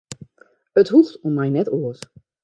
It hoecht om my net oars.